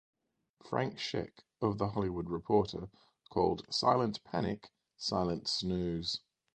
Frank Scheck of "The Hollywood Reporter" called "Silent Panic" "silent snooze".